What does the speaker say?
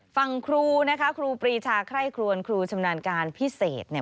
ฟังครูนะคะครูปรีชาไคร่ครวนครูชำนาญการพิเศษเนี่ย